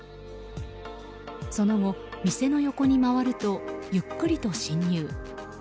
その後、店の横に回るとゆっくりと侵入。